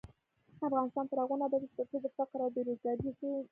افغانستان تر هغو نه ابادیږي، ترڅو د فقر او بې روزګارۍ ریښې وچې نشي.